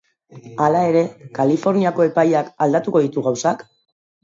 Hala ere, Kaliforniako epaiak aldatuko ditu gauzak?